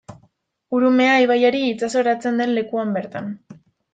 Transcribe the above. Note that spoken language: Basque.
Urumea ibaiari itsasoratzen den lekuan bertan.